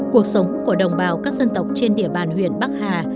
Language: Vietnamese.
cuộc sống của đồng bào các dân tộc trên địa bàn huyện bắc hà